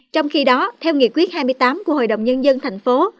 trong khi đó theo nghị quyết hai mươi tám của hội đồng nhân dân tp hcm